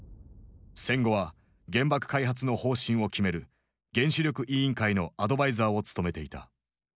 戦後は原爆開発の方針を決める原子力委員会のアドバイザーを務めていた。